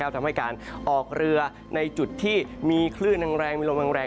ทำให้การออกเรือในจุดที่มีคลื่นแรงมีลมแรง